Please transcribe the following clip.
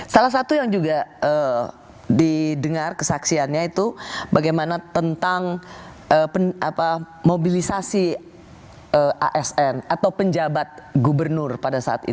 salah satu yang juga didengar kesaksiannya itu bagaimana tentang mobilisasi asn atau penjabat gubernur pada saat itu